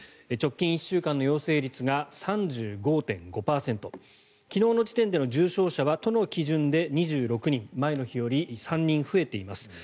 直近１週間の陽性率が３５．５％昨日の時点での重症者は都の基準で２６人前の日より３人増えています。